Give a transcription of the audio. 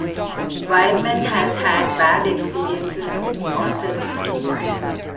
Wirman has had bad experiences with sponsor deals.